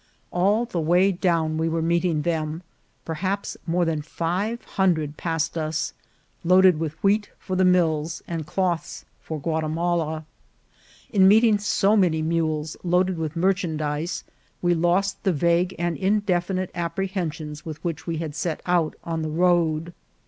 All the way down we were meeting them ; perhaps more than five hundred passed us, loaded with wheat for the mills and cloths for Guatimala. In meet ing so many mules loaded with merchandise, we lost the vague and indefinite apprehensions with which we had set out on this road.